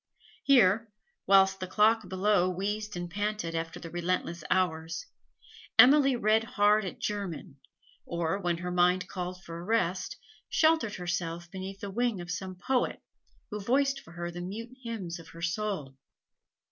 Here, whilst the clock below wheezed and panted after the relentless hours, Emily read hard at German, or, when her mind called for rest, sheltered herself beneath the wing of some poet, who voiced for her the mute hymns of her soul.